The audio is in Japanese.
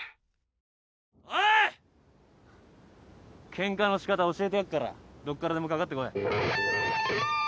ケンカのしかた教えてやっからどっからでもかかってこい。